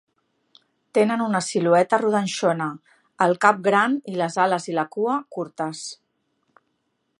Tenen una silueta rodanxona, el cap gran i les ales i la cua curtes.